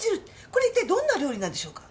これ一体どんな料理なんでしょうか？